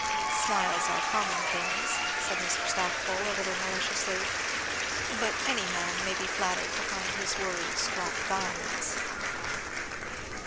"Smiles are common things," said Mr. Stackpole a little maliciously; "but any man may be flattered to find his words drop diamonds."